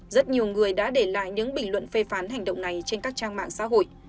rất nhiều người đã để lại những bình luận phê phán hành động này trên các trang mạng xã hội